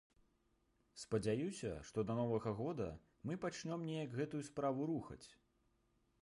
Спадзяюся, што да новага года мы пачнём неяк гэтую справу рухаць.